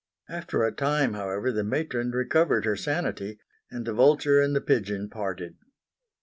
After a time however the matron recovered her sanity, and the vulture and the pigeon parted.